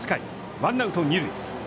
ワンアウト、二塁。